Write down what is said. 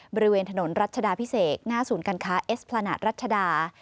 บริเวณถนนรัชดาพิเศษหน้าศูนย์การค้าเอสพลานาทรัชดา